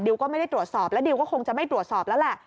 ก็ไม่ได้ตรวจสอบแล้วดิวก็คงจะไม่ตรวจสอบแล้วแหละ